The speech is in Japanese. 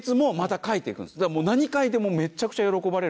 何描いてもめちゃくちゃ喜ばれるから。